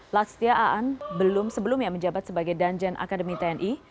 laksdia a'an belum sebelumnya menjabat sebagai danjen akademi tni